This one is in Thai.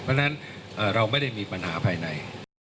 เพราะฉะนั้นเราไม่ได้มีปัญหาภายใน